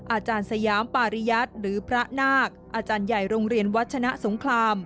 อาจารย์สยามปาริยัติหรือพระนาคอาจารย์ใหญ่โรงเรียนวัชนะสงคราม